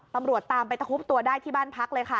ตำรวจตามไปตะคุบตัวได้ที่บ้านพักเลยค่ะ